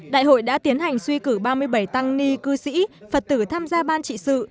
đại hội đã tiến hành suy cử ba mươi bảy tăng ni cư sĩ phật tử tham gia ban trị sự